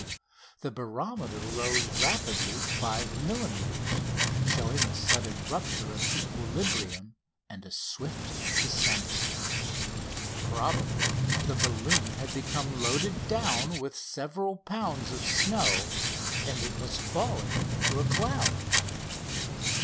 The barometer rose rapidly 5 millimetres, showing a sudden rupture of equilibrium and a swift descent. Probably the balloon had become loaded down with several pounds of snow, and it was falling into a cloud.